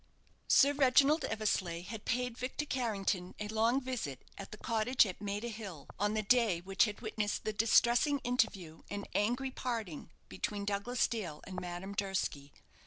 Sir Reginald Eversleigh had paid Victor Carrington a long visit, at the cottage at Maida Hill, on the day which had witnessed the distressing interview and angry parting between Douglas Dale and Madame Durski.